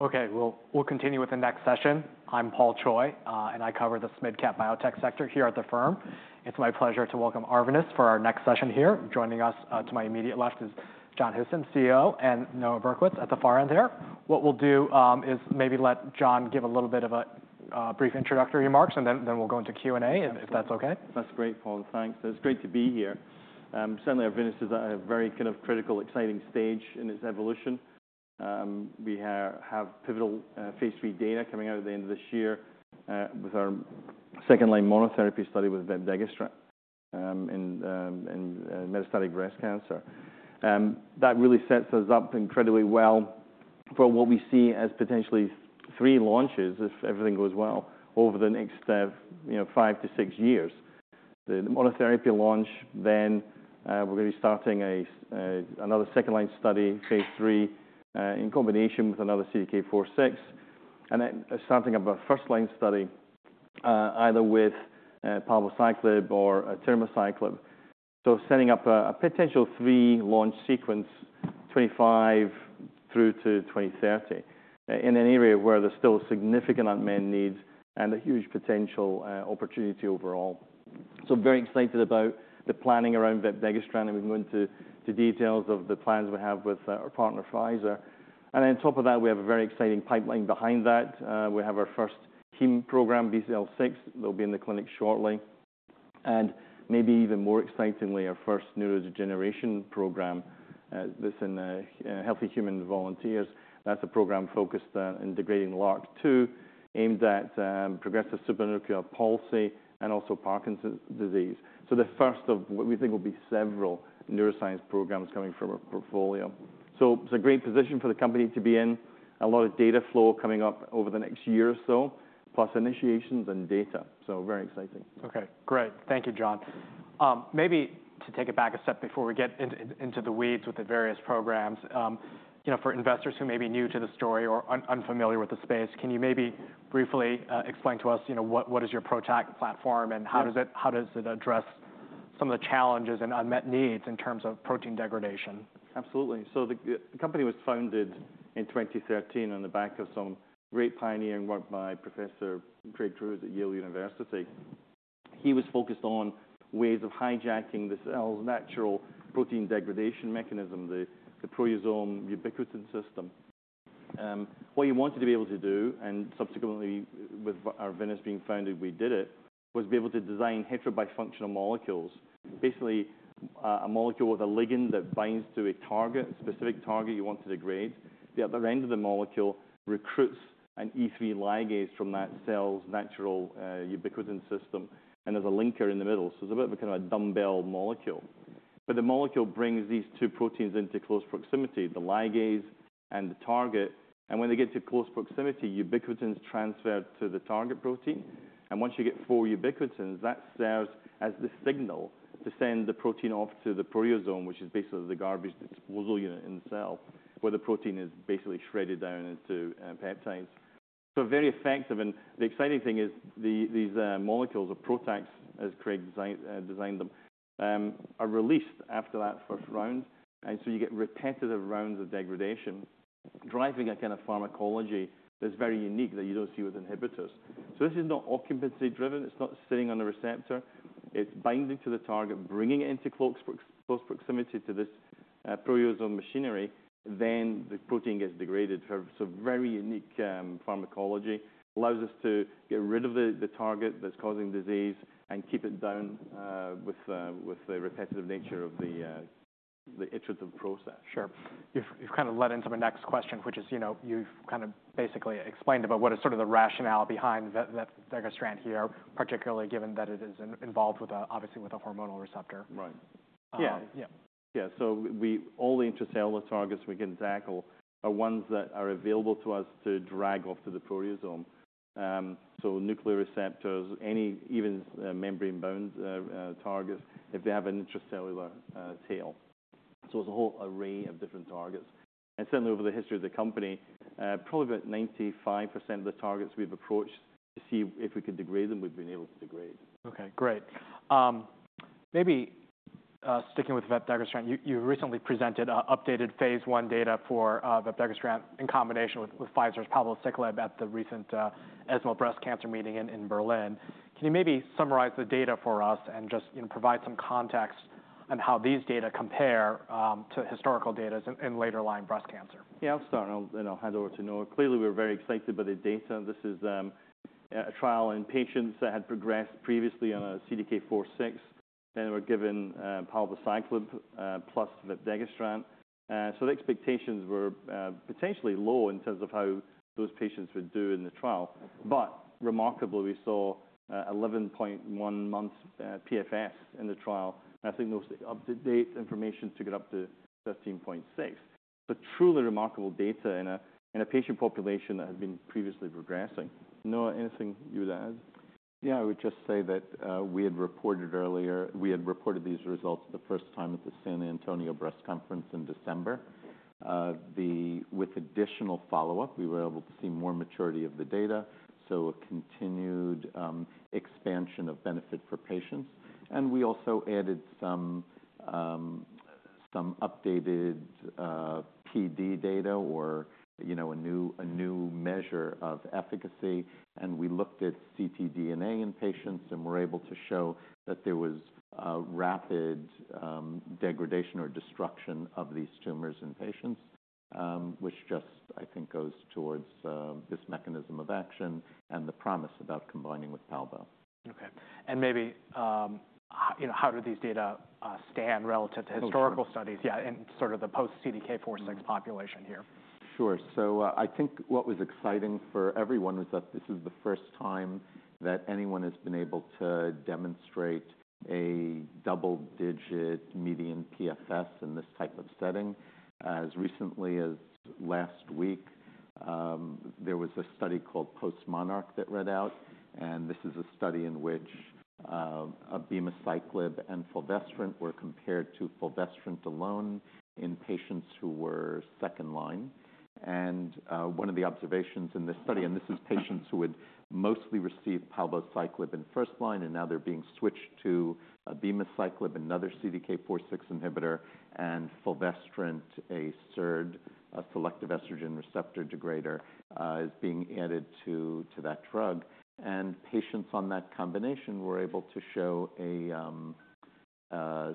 Okay, well, we'll continue with the next session. I'm Paul Choi, and I cover the SMID-Cap Biotech sector here at the firm. It's my pleasure to welcome Arvinas for our next session here. Joining us to my immediate left is John Houston, CEO, and Noah Berkowitz at the far end there. What we'll do is maybe let John give a little bit of a brief introductory remarks, and then we'll go into Q&A, if that's okay. That's great, Paul. Thanks. It's great to be here. Certainly, Arvinas is at a very kind of critical, exciting stage in its evolution. We have pivotal phase III data coming out at the end of this year with our second-line monotherapy study with vepdegestrant in metastatic breast cancer. That really sets us up incredibly well for what we see as potentially three launches, if everything goes well, over the next five to six years. The monotherapy launch, then we're going to be starting another second-line study, phase III, in combination with another CDK4/6, and then starting up a first-line study either with palbociclib or abemaciclib. So setting up a potential three-launch sequence 2025 through to 2030 in an area where there's still significant unmet needs and a huge potential opportunity overall. So I'm very excited about the planning around vepdegestrant, and we've moved to details of the plans we have with our partner, Pfizer. And then on top of that, we have a very exciting pipeline behind that. We have our first heme program, BCL6, that'll be in the clinic shortly. And maybe even more excitingly, our first neurodegeneration program, this in healthy human volunteers. That's a program focused on targeting LRRK2, aimed at progressive supranuclear palsy and also Parkinson's disease. So the first of what we think will be several neuroscience programs coming from our portfolio. So it's a great position for the company to be in. A lot of data flow coming up over the next year or so, plus initiations and data. So very exciting. Okay, great. Thank you, John. Maybe to take it back a step before we get into the weeds with the various programs, for investors who may be new to the story or unfamiliar with the space, can you maybe briefly explain to us what is your PROTAC platform and how does it address some of the challenges and unmet needs in terms of protein degradation? Absolutely. So the company was founded in 2013 on the back of some great pioneering work by Professor Craig Crews at Yale University. He was focused on ways of hijacking the cell's natural protein degradation mechanism, the proteasome ubiquitin system. What he wanted to be able to do, and subsequently, with Arvinas being founded, we did it, was be able to design heterobifunctional molecules. Basically, a molecule with a ligand that binds to a target, a specific target you want to degrade. The other end of the molecule recruits an E3 ligase from that cell's natural ubiquitin system, and there's a linker in the middle. So it's a bit of a kind of a dumbbell molecule. But the molecule brings these two proteins into close proximity, the ligase and the target. And when they get to close proximity, ubiquitins transfer to the target protein. And once you get four ubiquitins, that serves as the signal to send the protein off to the proteasome, which is basically the garbage disposal unit in the cell, where the protein is basically shredded down into peptides. So very effective. And the exciting thing is these molecules of PROTAC, as Craig designed them, are released after that first round. And so you get repetitive rounds of degradation, driving a kind of pharmacology that's very unique that you don't see with inhibitors. So this is not occupancy driven. It's not sitting on a receptor. It's binding to the target, bringing it into close proximity to this proteasome machinery. Then the protein gets degraded. So very unique pharmacology allows us to get rid of the target that's causing disease and keep it down with the repetitive nature of the iterative process. Sure. You've kind of led into my next question, which is you've kind of basically explained about what is sort of the rationale behind vepdegestrant here, particularly given that it is involved with, obviously, with a hormonal receptor. Right. Yeah. Yeah. So all the intracellular targets we can tackle are ones that are available to us to drag off to the proteasome. So nuclear receptors, even membrane-bound targets, if they have an intracellular tail. So it's a whole array of different targets. And certainly, over the history of the company, probably about 95% of the targets we've approached to see if we could degrade them, we've been able to degrade. Okay, great. Maybe sticking with vepdegestrant, you recently presented updated phase I data for vepdegestrant in combination with Pfizer's palbociclib at the recent ESMO Breast Cancer Meeting in Berlin. Can you maybe summarize the data for us and just provide some context on how these data compare to historical data in later-line breast cancer? Yeah, I'll start, and I'll hand over to Noah. Clearly, we were very excited by the data. This is a trial in patients that had progressed previously on a CDK4/6, and they were given palbociclib plus vepdegestrant. So the expectations were potentially low in terms of how those patients would do in the trial. But remarkably, we saw 11.1 months PFS in the trial. I think most up-to-date information took it up to 13.6. So truly remarkable data in a patient population that had been previously progressing. Noah, anything you would add? Yeah, I would just say that we had reported earlier, we had reported these results the first time at the San Antonio Breast Conference in December. With additional follow-up, we were able to see more maturity of the data, so a continued expansion of benefit for patients. And we also added some updated PD data or a new measure of efficacy. And we looked at ctDNA in patients and were able to show that there was rapid degradation or destruction of these tumors in patients, which just, I think, goes towards this mechanism of action and the promise about combining with palbo. Okay. Maybe how do these data stand relative to historical studies? Yeah, in sort of the post-CDK4/6 population here. Sure. So I think what was exciting for everyone was that this is the first time that anyone has been able to demonstrate a double-digit median PFS in this type of setting. As recently as last week, there was a study called PostMONARCH that read out, and this is a study in which abemaciclib and fulvestrant were compared to fulvestrant alone in patients who were second line. And one of the observations in this study, and this is patients who would mostly receive palbociclib in first line, and now they're being switched to abemaciclib, another CDK4/6 inhibitor, and fulvestrant, a SERD, a selective estrogen receptor degrader, is being added to that drug. And patients on that combination were able to show a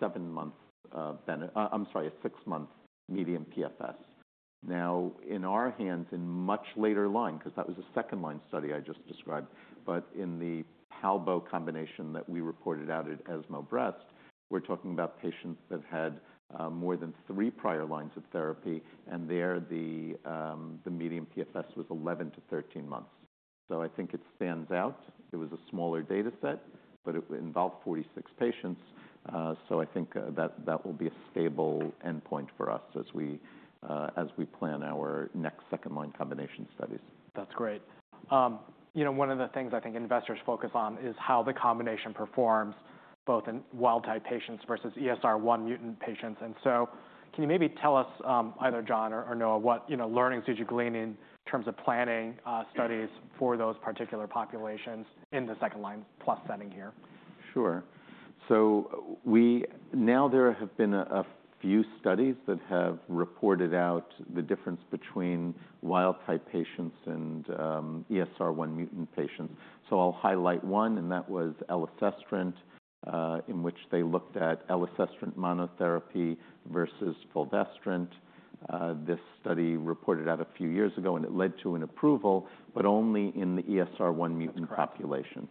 seven-month, I'm sorry, a six-month median PFS. Now, in our hands, in much later line, because that was a second-line study I just described, but in the palbo combination that we reported out at ESMO Breast, we're talking about patients that had more than three prior lines of therapy, and there the median PFS was 11-13 months. So I think it stands out. It was a smaller data set, but it involved 46 patients. So I think that will be a stable endpoint for us as we plan our next second-line combination studies. That's great. One of the things I think investors focus on is how the combination performs both in wild-type patients versus ESR1 mutant patients. And so can you maybe tell us either, John or Noah, what learnings did you glean in terms of planning studies for those particular populations in the second-line plus setting here? Sure. So now there have been a few studies that have reported out the difference between wild-type patients and ESR1 mutant patients. So I'll highlight one, and that was elacestrant, in which they looked at elacestrant monotherapy versus fulvestrant. This study reported out a few years ago, and it led to an approval, but only in the ESR1 mutant population.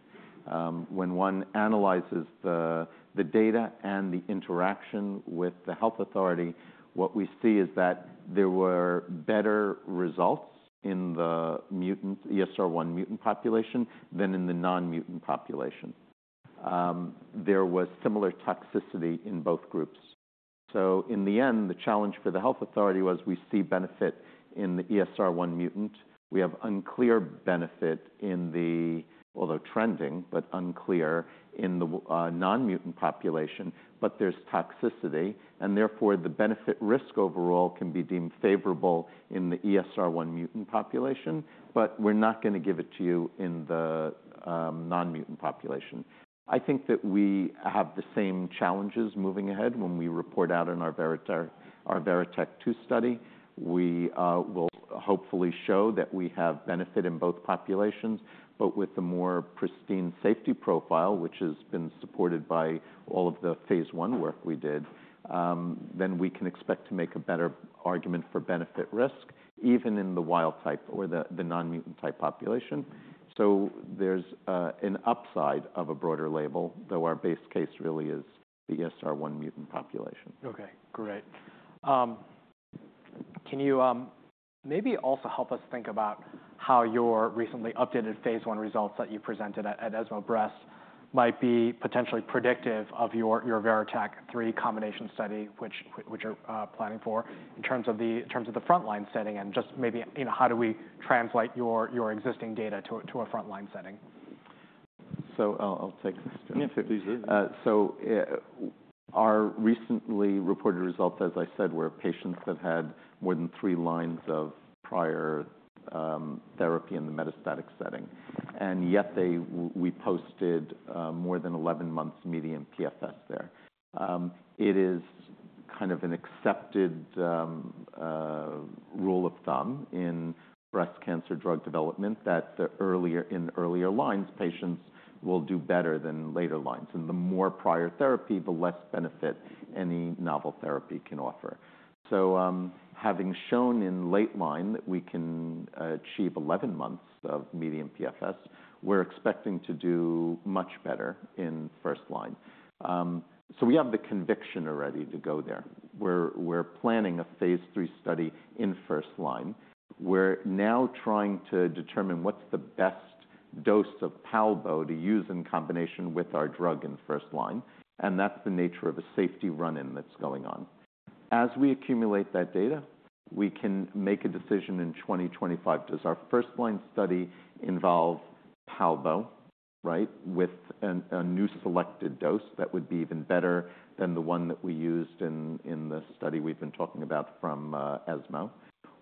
When one analyzes the data and the interaction with the health authority, what we see is that there were better results in the mutant, ESR1 mutant population, than in the non-mutant population. There was similar toxicity in both groups. So in the end, the challenge for the health authority was we see benefit in the ESR1 mutant. We have unclear benefit in the, although trending, but unclear in the non-mutant population, but there's toxicity. Therefore, the benefit-risk overall can be deemed favorable in the ESR1 mutant population, but we're not going to give it to you in the non-mutant population. I think that we have the same challenges moving ahead when we report out on our VERITAC-2 study. We will hopefully show that we have benefit in both populations, but with the more pristine safety profile, which has been supported by all of the phase I work we did, then we can expect to make a better argument for benefit-risk, even in the wild-type or the non-mutant type population. So there's an upside of a broader label, though our base case really is the ESR1 mutant population. Okay, great. Can you maybe also help us think about how your recently updated phase I results that you presented at ESMO Breast might be potentially predictive of your VERITAC-3 combination study, which you're planning for, in terms of the front-line setting? And just maybe how do we translate your existing data to a front-line setting? So I'll take this, John. Yes, please do. So our recently reported results, as I said, were patients that had more than three lines of prior therapy in the metastatic setting. And yet we posted more than 11 months median PFS there. It is kind of an accepted rule of thumb in breast cancer drug development that in earlier lines, patients will do better than later lines. And the more prior therapy, the less benefit any novel therapy can offer. So having shown in late line that we can achieve 11 months of median PFS, we're expecting to do much better in first line. So we have the conviction already to go there. We're planning a phase III study in first line. We're now trying to determine what's the best dose of palbo to use in combination with our drug in first line. And that's the nature of a safety run-in that's going on. As we accumulate that data, we can make a decision in 2025. Does our first-line study involve palbo, right, with a new selected dose that would be even better than the one that we used in the study we've been talking about from ESMO?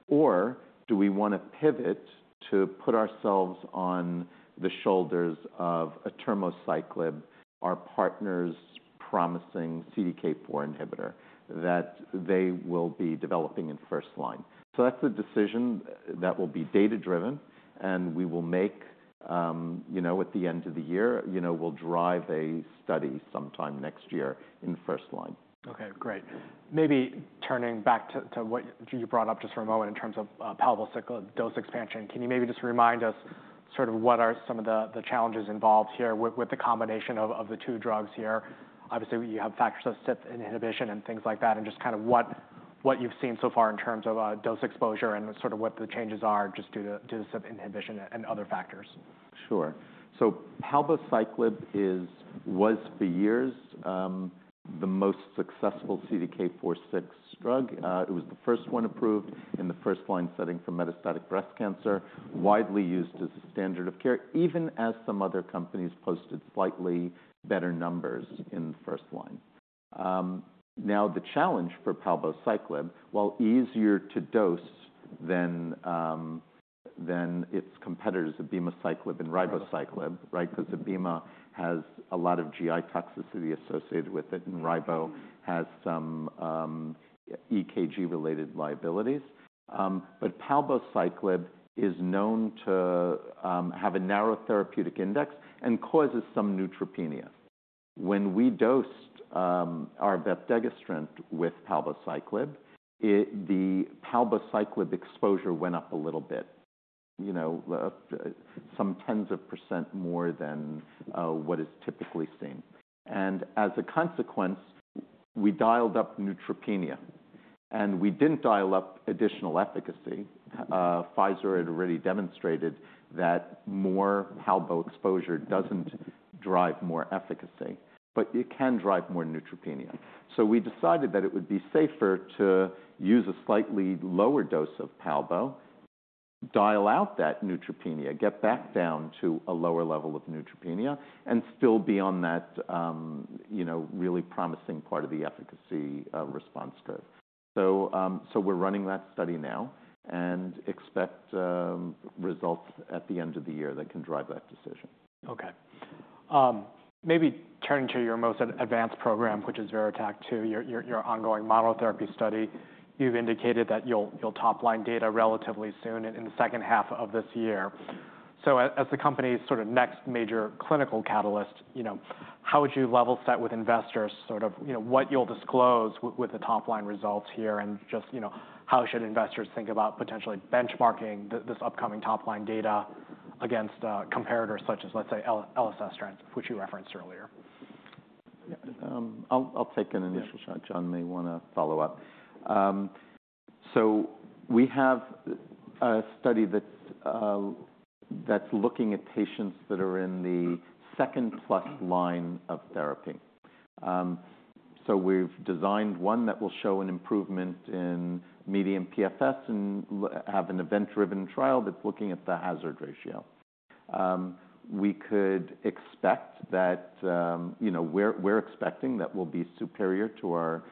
Or do we want to pivot to put ourselves on the shoulders of abemaciclib, our partner's promising CDK4 inhibitor, that they will be developing in first line? So that's the decision that will be data-driven, and we will make at the end of the year, we'll drive a study sometime next year in first line. Okay, great. Maybe turning back to what you brought up just for a moment in terms of palbociclib dose expansion, can you maybe just remind us sort of what are some of the challenges involved here with the combination of the two drugs here? Obviously, you have factors of SIP inhibition and things like that, and just kind of what you've seen so far in terms of dose exposure and sort of what the changes are just due to SIP inhibition and other factors. Sure. So palbociclib was for years the most successful CDK4/6 drug. It was the first one approved in the first line setting for metastatic breast cancer, widely used as a standard of care, even as some other companies posted slightly better numbers in first line. Now, the challenge for palbociclib, while easier to dose than its competitors, abemaciclib and ribociclib, right, because abema has a lot of GI toxicity associated with it, and ribo has some EKG-related liabilities. But palbociclib is known to have a narrow therapeutic index and causes some neutropenia. When we dosed our Vepdegestrant with palbociclib, the palbociclib exposure went up a little bit, some tens of percent more than what is typically seen. And as a consequence, we dialed up neutropenia, and we didn't dial up additional efficacy. Pfizer had already demonstrated that more palbo exposure doesn't drive more efficacy, but it can drive more neutropenia. So we decided that it would be safer to use a slightly lower dose of palbo, dial out that neutropenia, get back down to a lower level of neutropenia, and still be on that really promising part of the efficacy response curve. So we're running that study now and expect results at the end of the year that can drive that decision. Okay. Maybe turning to your most advanced program, which is VERITAC-2, your ongoing monotherapy study, you've indicated that you'll topline data relatively soon in the second half of this year. So as the company's sort of next major clinical catalyst, how would you level set with investors sort of what you'll disclose with the topline results here, and just how should investors think about potentially benchmarking this upcoming topline data against comparators such as, let's say, elacestrant, which you referenced earlier? I'll take an initial shot. John may want to follow up. So we have a study that's looking at patients that are in the second plus line of therapy. So we've designed one that will show an improvement in median PFS and have an event-driven trial that's looking at the hazard ratio. We could expect that we're expecting that we'll be superior to our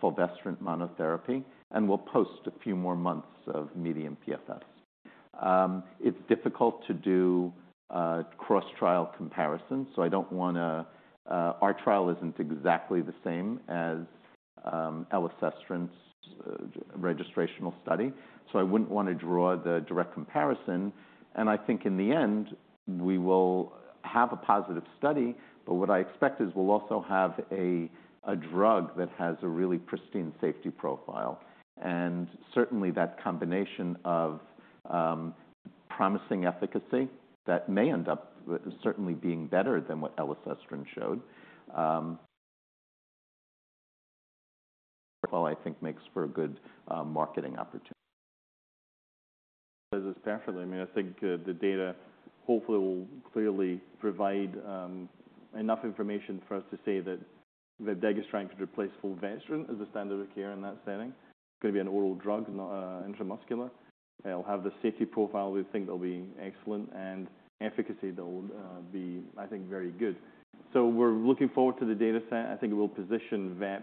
fulvestrant monotherapy, and we'll post a few more months of median PFS. It's difficult to do cross-trial comparisons, so I don't want to, our trial isn't exactly the same as elacestrant's registrational study, so I wouldn't want to draw the direct comparison. And I think in the end, we will have a positive study, but what I expect is we'll also have a drug that has a really pristine safety profile. Certainly, that combination of promising efficacy that may end up certainly being better than what elacestrant showed will, I think, make for a good marketing opportunity. That is absolutely. I mean, I think the data hopefully will clearly provide enough information for us to say that vepdegestrant could replace fulvestrant as a standard of care in that setting. It's going to be an oral drug, intramuscular. It'll have the safety profile we think will be excellent, and efficacy that will be, I think, very good. So we're looking forward to the data set. I think it will position vep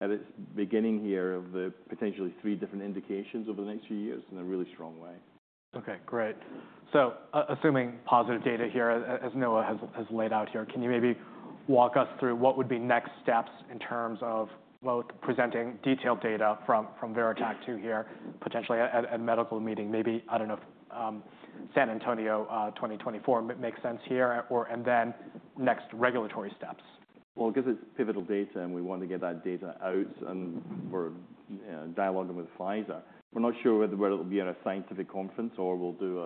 at its beginning here of the potentially three different indications over the next few years in a really strong way. Okay, great. So assuming positive data here, as Noah has laid out here, can you maybe walk us through what would be next steps in terms of both presenting detailed data from VERITAC-2 here, potentially at a medical meeting, maybe, I don't know, San Antonio 2024, makes sense here, and then next regulatory steps? Well, because it's pivotal data and we want to get that data out and we're dialoguing with Pfizer, we're not sure whether it'll be at a scientific conference or we'll do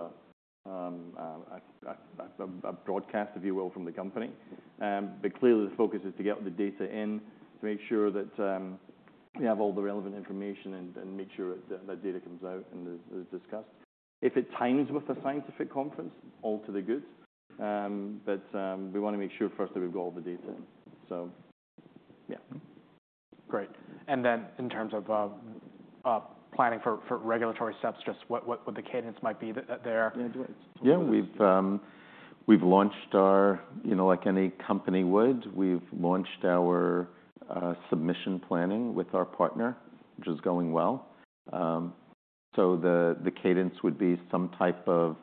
a broadcast, if you will, from the company. But clearly, the focus is to get the data in to make sure that we have all the relevant information and make sure that data comes out and is discussed. If it times with the scientific conference, all to the good. But we want to make sure first that we've got all the data. So yeah. Great. And then in terms of planning for regulatory steps, just what the cadence might be there? Yeah, we've launched our, like any company would, we've launched our submission planning with our partner, which is going well. So the cadence would be some type of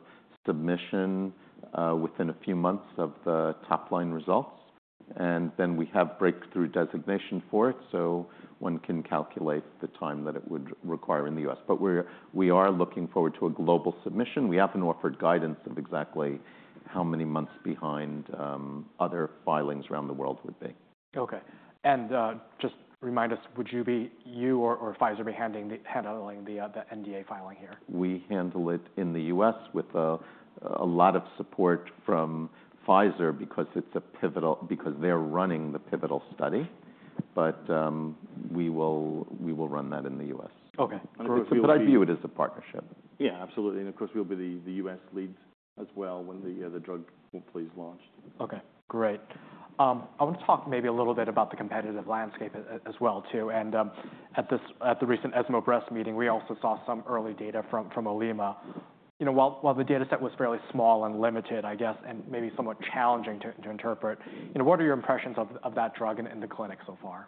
submission within a few months of the topline results. And then we have breakthrough designation for it, so one can calculate the time that it would require in the US. But we are looking forward to a global submission. We haven't offered guidance of exactly how many months behind other filings around the world would be. Okay. And just remind us, would it be you or Pfizer handling the NDA filing here? We handle it in the US. with a lot of support from Pfizer because they're running the pivotal study. But we will run that in the US. Okay. But I view it as a partnership. Yeah, absolutely. Of course, we'll be the US lead as well when the drug plays launch. Okay, great. I want to talk maybe a little bit about the competitive landscape as well, too. And at the recent ESMO Breast meeting, we also saw some early data from Eli Lilly. While the data set was fairly small and limited, I guess, and maybe somewhat challenging to interpret, what are your impressions of that drug in the clinic so far?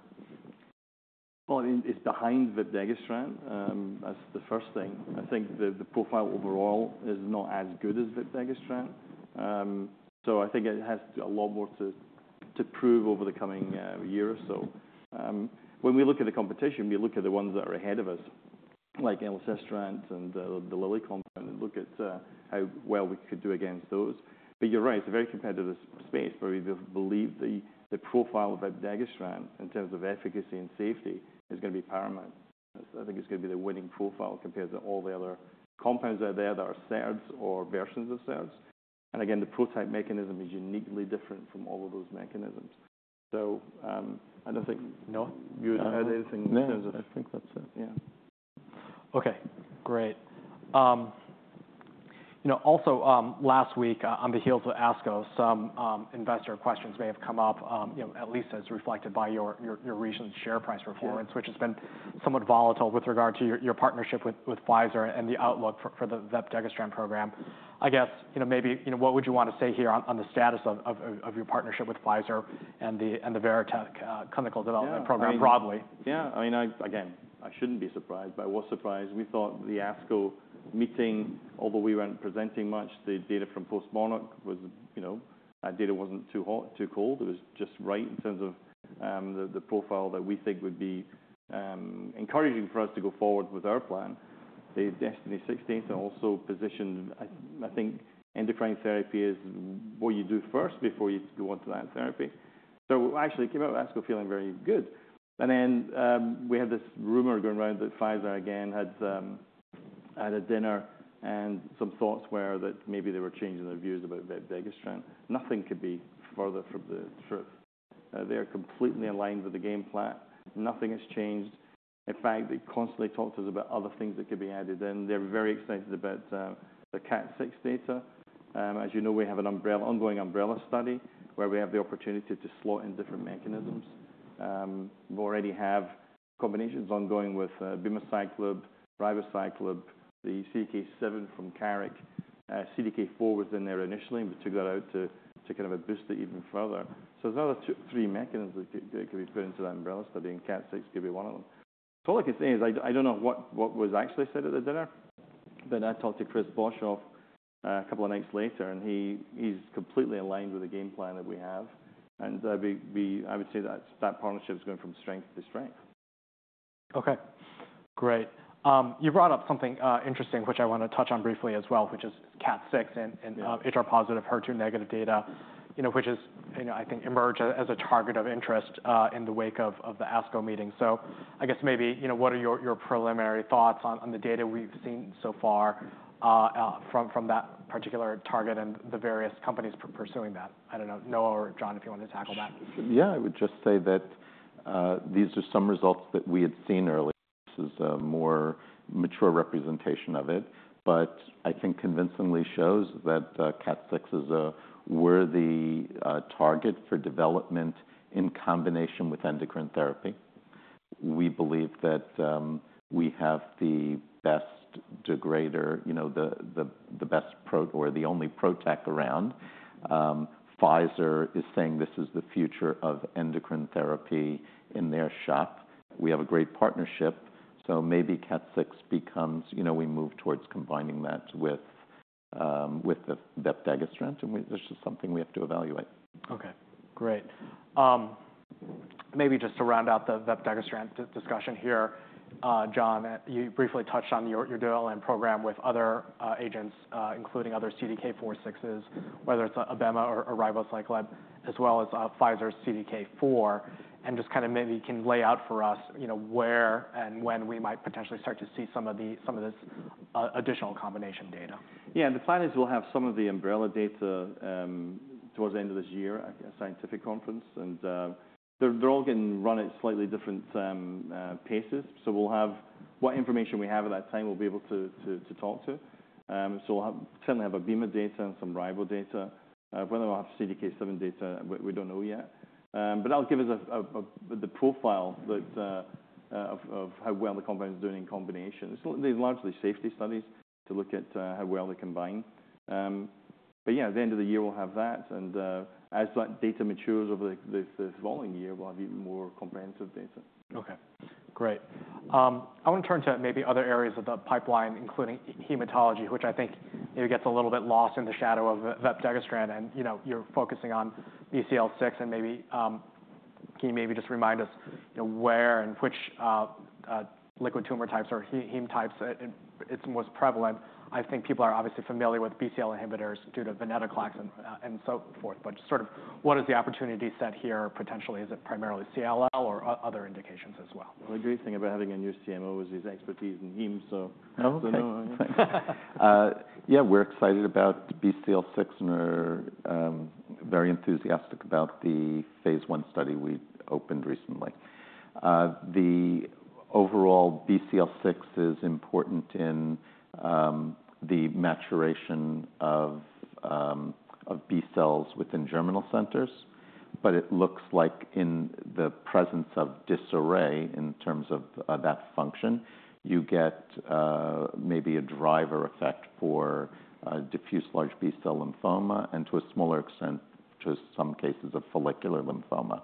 Well, I mean, it's behind vepdegestrant as the first thing. I think the profile overall is not as good as vepdegestrant. So I think it has a lot more to prove over the coming year or so. When we look at the competition, we look at the ones that are ahead of us, like elacestrant and the Lilly compound, and look at how well we could do against those. But you're right, it's a very competitive space, but we believe the profile of vepdegestrant in terms of efficacy and safety is going to be paramount. I think it's going to be the winning profile compared to all the other compounds out there that are SERDs or versions of SERDs. And again, the PROTAC mechanism is uniquely different from all of those mechanisms. So I don't think you had anything in terms of. No, I think that's it. Yeah. Okay, great. Also, last week, on the heels of ASCO, some investor questions may have come up, at least as reflected by your recent share price performance, which has been somewhat volatile with regard to your partnership with Pfizer and the outlook for the vepdegestrant program. I guess maybe what would you want to say here on the status of your partnership with Pfizer and the VERITAC clinical development program broadly? Yeah. I mean, again, I shouldn't be surprised, but I was surprised. We thought the ASCO meeting, although we weren't presenting much the data from postMONARCH, that data wasn't too hot, too cold. It was just right in terms of the profile that we think would be encouraging for us to go forward with our plan. The Destiny 16th also positioned, I think, endocrine therapy as what you do first before you go into that therapy. So actually, it came out of ASCO feeling very good. And then we had this rumor going around that Pfizer again had a dinner and some thoughts were that maybe they were changing their views about vepdegestrant. Nothing could be further from the truth. They are completely aligned with the game plan. Nothing has changed. In fact, they constantly talk to us about other things that could be added, and they're very excited about the CDK6 data. As you know, we have an ongoing umbrella study where we have the opportunity to slot in different mechanisms. We already have combinations ongoing with abemaciclib, ribociclib, the CDK7 from Carrick. CDK4 was in there initially, and we took that out to kind of boost it even further. So there's another three mechanisms that could be put into that umbrella study, and CDK6 could be one of them. So all I can say is I don't know what was actually said at the dinner, but I talked to Chris Boshoff a couple of nights later, and he's completely aligned with the game plan that we have. And I would say that partnership is going from strength to strength. Okay, great. You brought up something interesting, which I want to touch on briefly as well, which is CDK6 and HR-positive HER2-negative data, which is, I think, emerged as a target of interest in the wake of the ASCO meeting. So I guess maybe what are your preliminary thoughts on the data we've seen so far from that particular target and the various companies pursuing that? I don't know, Noah or John, if you want to tackle that. Yeah, I would just say that these are some results that we had seen earlier. This is a more mature representation of it, but I think convincingly shows that CDK6 is a worthy target for development in combination with endocrine therapy. We believe that we have the best degrader, the best or the only PROTAC around. Pfizer is saying this is the future of endocrine therapy in their shop. We have a great partnership, so maybe CDK6 becomes, we move towards combining that with vepdegestrant, and this is something we have to evaluate. Okay, great. Maybe just to round out the vepdegestrant discussion here, John, you briefly touched on your dual-end program with other agents, including other CDK4/6s, whether it's abemaciclib or ribociclib, as well as Pfizer's CDK4, and just kind of maybe can lay out for us where and when we might potentially start to see some of this additional combination data. Yeah, and the plan is we'll have some of the umbrella data towards the end of this year, a scientific conference, and they're all going to run at slightly different paces. So we'll have what information we have at that time, we'll be able to talk to. So we'll certainly have abema data and some ribo data. Whether we'll have CDK7 data, we don't know yet. But that'll give us the profile of how well the compound is doing in combination. There's largely safety studies to look at how well they combine. But yeah, at the end of the year, we'll have that, and as that data matures over the following year, we'll have even more comprehensive data. Okay, great. I want to turn to maybe other areas of the pipeline, including hematology, which I think maybe gets a little bit lost in the shadow of vepdegestrant, and you're focusing on BCL6, and maybe can you maybe just remind us where and which liquid tumor types or heme types it's most prevalent? I think people are obviously familiar with BCL inhibitors due to venetoclax and so forth, but just sort of what is the opportunity set here potentially? Is it primarily CLL or other indications as well? Well, the great thing about having a new CMO is his expertise in heme, so. Yeah, we're excited about BCL6, and we're very enthusiastic about the phase I study we opened recently. The overall BCL6 is important in the maturation of B cells within germinal centers, but it looks like in the presence of disarray in terms of that function, you get maybe a driver effect for diffuse large B-cell lymphoma and to a smaller extent to some cases of follicular lymphoma.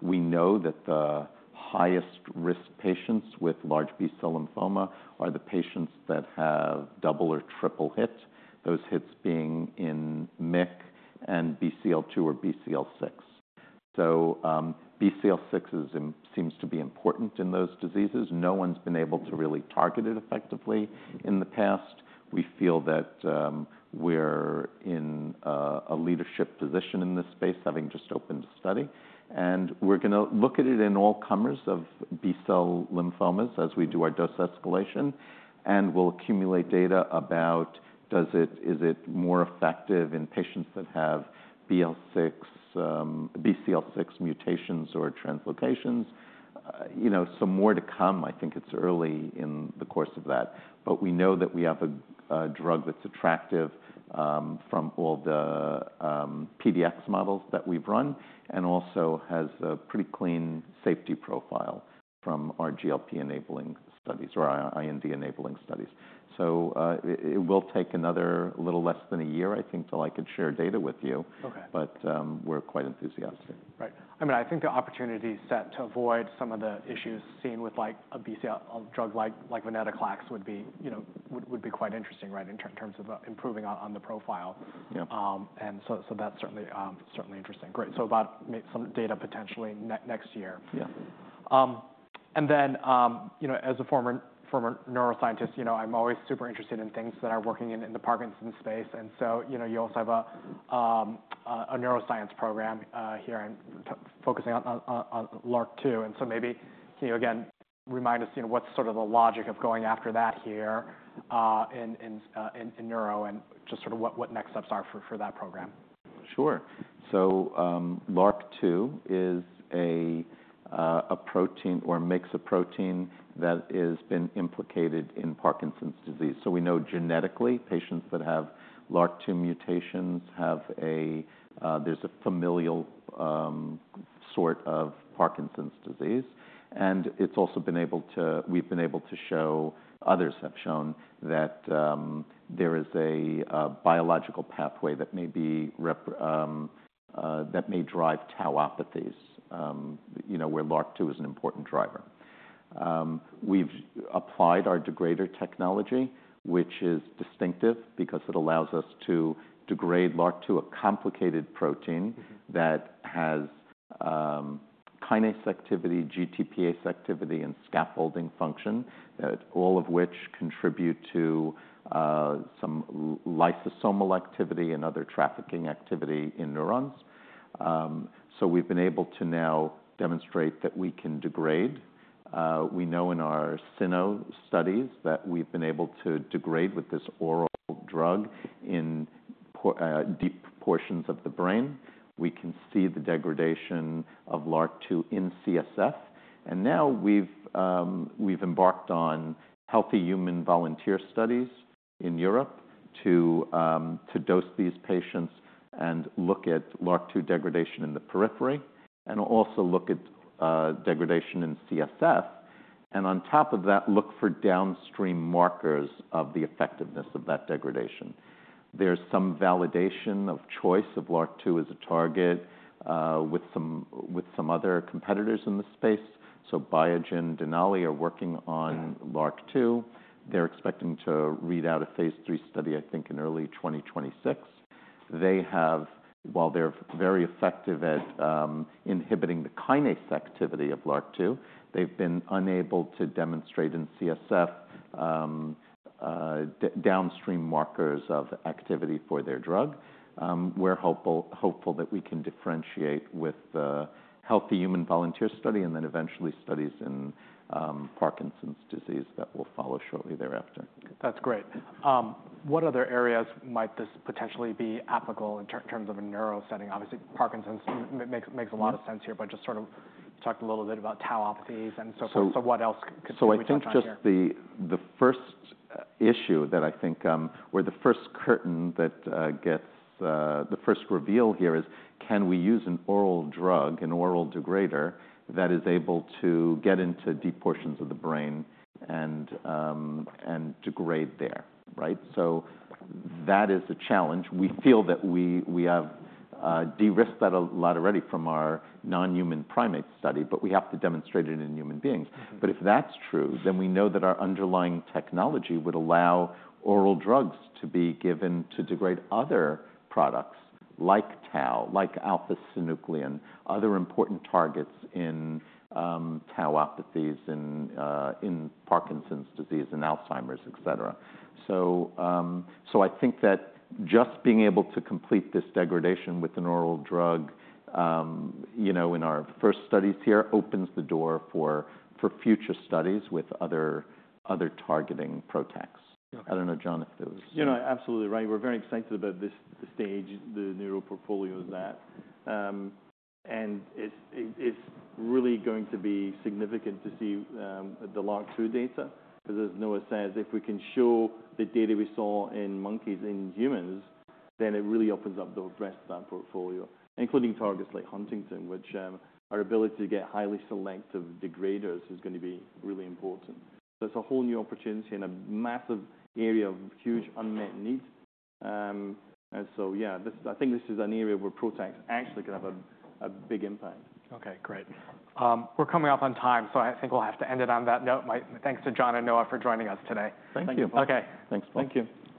We know that the highest risk patients with large B-cell lymphoma are the patients that have double or triple hit, those hits being in MYC and BCL2 or BCL6. So BCL6 seems to be important in those diseases. No one's been able to really target it effectively in the past. We feel that we're in a leadership position in this space, having just opened a study. And we're going to look at it in all comers of B-cell lymphomas as we do our dose escalation, and we'll accumulate data about is it more effective in patients that have BCL6 mutations or translocations. Some more to come. I think it's early in the course of that, but we know that we have a drug that's attractive from all the PDX models that we've run and also has a pretty clean safety profile from our GLP-enabling studies or IND-enabling studies. So it will take another little less than a year, I think, till I could share data with you, but we're quite enthusiastic. Right. I mean, I think the opportunity set to avoid some of the issues seen with a drug like venetoclax would be quite interesting, right, in terms of improving on the profile. And so that's certainly interesting. Great. So about some data potentially next year. And then as a former neuroscientist, I'm always super interested in things that are working in the Parkinson's space. And so you also have a neuroscience program here focusing on LRRK2. And so maybe can you again remind us what's sort of the logic of going after that here in neuro and just sort of what next steps are for that program? Sure. So LRRK2 is a protein or a mix of protein that has been implicated in Parkinson's disease. So we know genetically patients that have LRRK2 mutations have a familial sort of Parkinson's disease. And it's also been able to, we've been able to show, others have shown that there is a biological pathway that may drive tauopathies where LRRK2 is an important driver. We've applied our degrader technology, which is distinctive because it allows us to degrade LRRK2, a complicated protein that has kinase activity, GTPase activity, and scaffolding function, all of which contribute to some lysosomal activity and other trafficking activity in neurons. So we've been able to now demonstrate that we can degrade. We know in our cyno studies that we've been able to degrade with this oral drug in deep portions of the brain. We can see the degradation of LRRK2 in CSF. Now we've embarked on healthy human volunteer studies in Europe to dose these patients and look at LRRK2 degradation in the periphery and also look at degradation in CSF. On top of that, look for downstream markers of the effectiveness of that degradation. There's some validation of choice of LRRK2 as a target with some other competitors in the space. Biogen and Denali are working on LRRK2. They're expecting to read out a phase III study, I think, in early 2026. They have, while they're very effective at inhibiting the kinase activity of LRRK2, they've been unable to demonstrate in CSF downstream markers of activity for their drug. We're hopeful that we can differentiate with the healthy human volunteer study and then eventually studies in Parkinson's disease that will follow shortly thereafter. That's great. What other areas might this potentially be applicable in terms of a neuro setting? Obviously, Parkinson's makes a lot of sense here, but just sort of talked a little bit about tauopathies and so forth. So what else could we talk about? So I think just the first issue that I think, or the first curtain that gets the first reveal here is can we use an oral drug, an oral degrader, that is able to get into deep portions of the brain and degrade there, right? So that is a challenge. We feel that we have de-risked that a lot already from our non-human primate study, but we have to demonstrate it in human beings. But if that's true, then we know that our underlying technology would allow oral drugs to be given to degrade other products like tau, like alpha-synuclein, other important targets in tauopathies in Parkinson's disease and Alzheimer's, etc. So I think that just being able to complete this degradation with an oral drug in our first studies here opens the door for future studies with other targeting PROTACs. I don't know, John, if that was. You're absolutely right. We're very excited about the stage the neuro portfolio is at. And it's really going to be significant to see the LRRK2 data because, as Noah says, if we can show the data we saw in monkeys and humans, then it really opens up the rest of that portfolio, including targets like Huntington, which our ability to get highly selective degraders is going to be really important. So it's a whole new opportunity and a massive area of huge unmet needs. And so yeah, I think this is an area where PROTACs actually can have a big impact. Okay, great. We're coming up on time, so I think we'll have to end it on that note. Thanks to John and Noah for joining us today. Thank you. Thanks, Paul. Okay. Thanks, Paul. Thank you.